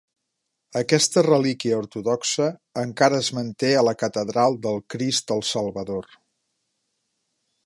Aquesta relíquia ortodoxa encara es manté a la Catedral de Crist el Salvador.